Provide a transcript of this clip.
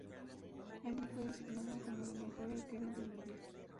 Allí fue designada como la mejor arquera del mundial.